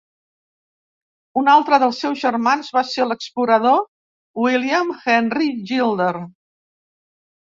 Un altre dels seus germans va ser l'explorador William Henry Gilder.